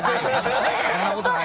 そんなことはない。